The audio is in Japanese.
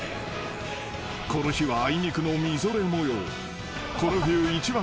［この日はあいにくのみぞれ模様］